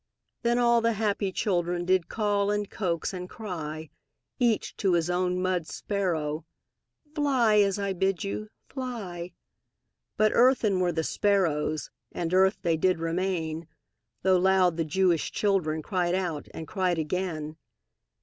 Then all the happy children Did call, and coax, and cry Each to his own mud sparrow: "Fly, as I bid you! Fly!" But earthen were the sparrows, And earth they did remain, Though loud the Jewish children Cried out, and cried again.